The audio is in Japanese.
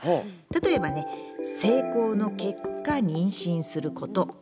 例えばね性交の結果妊娠すること。